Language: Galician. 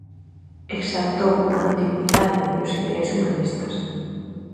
Exaltou a Antigüidade e os ideais humanistas.